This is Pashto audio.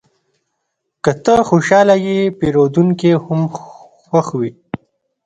که ته خوشحاله یې، پیرودونکی هم خوښ وي.